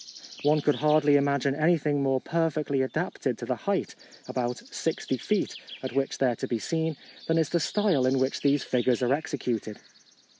One could hardly imagine anything more perfectly adapted to the height (about 60 feet) at which they were to be seen, than is the style in which these figures are executed.